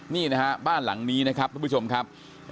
นี่นะฮะบ้านหลังนี้นะครับทุกผู้ชมครับ